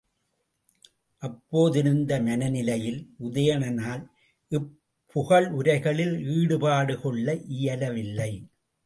அப்போதிருந்த மனநிலையில் உதயணனால் இப் புகழுரைகளில் ஈடுபாடு கொள்ள இயலவில்லை.